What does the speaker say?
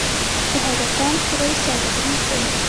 د حیرتان پل سوداګریز دی